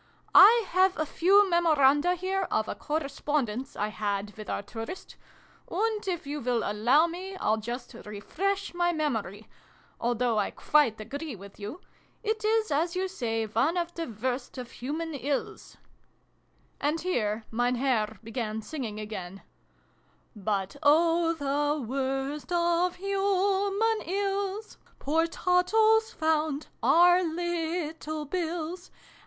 " I have a few memoranda here, of a correspondence I had with our tourist, and, if you will allow me, I'll just refresh my mem ory although I quite agree with you it is, as you say, one of the worst of human ills And, here Mein Herr began singing again : But oh, the worst of human ills (Poor Tottles found} are ' little bills